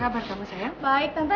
kita ngobrol di sini aja ya tante